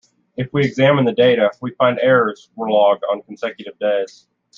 If we examine the data, we find errors were logged on consecutive days.